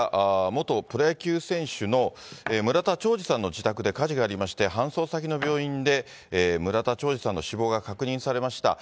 元プロ野球選手の村田兆治さんの自宅で火事がありまして、搬送先の病院で村田兆治さんの死亡が確認されました。